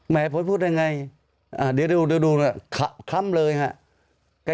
แหมผมจะพูดอย่างไรเดี๋ยวดูคล้ำเลยค่ะ